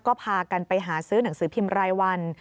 ก็พากันไปหาซื้อหนังสือพิมพ์รายวัน